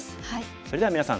それではみなさん